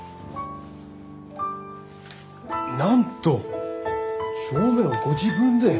なんと帳面をご自分で。